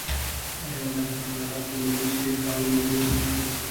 آیا د کاناډا په لویدیځ کې ښارونه جوړ نشول؟